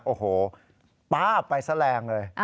โอ้โฮป๊าไปแสดงเลย